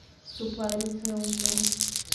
Su padre fue Dn.